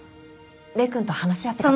礼くんと話し合ってから。